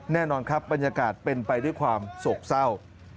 แน่นอนครับบรรยากาศเป็นไปด้วยความโศกเศร้า